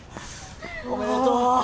おめでとう。